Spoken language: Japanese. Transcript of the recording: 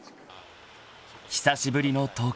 ［久しぶりの東京］